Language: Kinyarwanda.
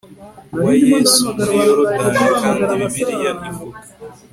wa Yesu muri Yorodani kandi Bibiliya ivuga